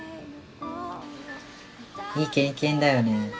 いい経験だよね。